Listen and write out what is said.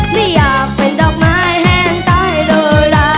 ไม่อยากเป็นดอกไม้แห้งใต้โดลา